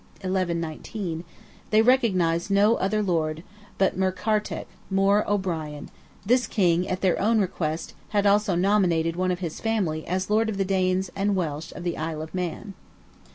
1119), they recognized no other lord but Murkertach More O'Brien; this king, at their own request, had also nominated one of his family as Lord of the Danes and Welsh of the Isle of Man.